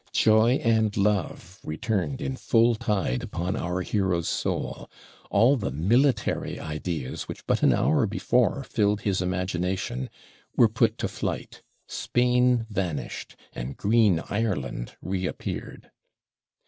Joy and love returned in full tide upon our hero's soul; all the military ideas, which but an hour before filled his imagination, were put to flight: Spain vanished, and green Ireland reappeared.